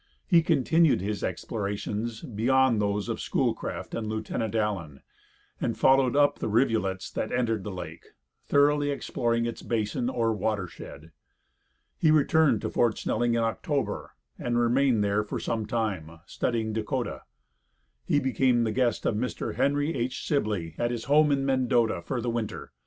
He continued his explorations beyond those of Schoolcraft and Lieutenant Allen, and followed up the rivulets that entered the lake, thoroughly exploring its basin or watershed. He returned to Fort Snelling in October, and remained there for some time, studying Dakota. He became the guest of Mr. Henry H. Sibley at his home in Mendota for the winter.